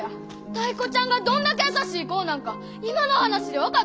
タイ子ちゃんがどんだけ優しい子なんか今の話で分かったやろ！